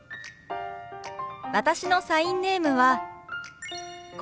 私のサインネームはこうです。